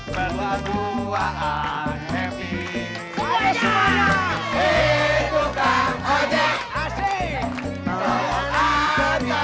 berdua dua ada di rumah pacar saya